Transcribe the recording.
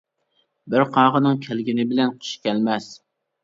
بىر قاغىنىڭ كەلگىنى بىلەن قىش كەلمەس.